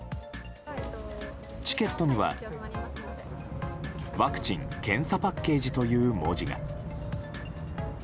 チケットにはワクチン・検査パッケージという文字が。